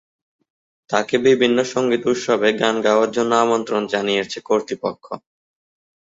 তাকে বিভিন্ন সংগীত উৎসবে গান গাওয়ার জন্য আমন্ত্রণ জানিয়েছে কর্তৃপক্ষ।